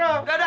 udah udah udah